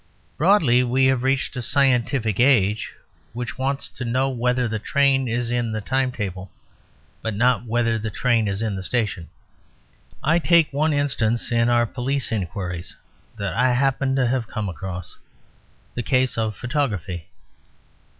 Broadly, we have reached a "scientific age," which wants to know whether the train is in the timetable, but not whether the train is in the station. I take one instance in our police inquiries that I happen to have come across: the case of photography.